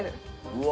うわ。